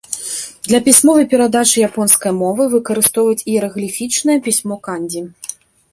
Для пісьмовай перадачы японскай мовы выкарыстоўваюць іерагліфічнае пісьмо кандзі.